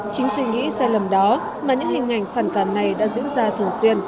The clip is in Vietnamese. chính suy nghĩ sai lầm đó mà những hình ảnh phản cảm này đã diễn ra thường xuyên